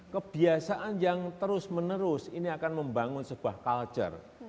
kebiasaan yang terus menerus ini akan membangun sebuah culture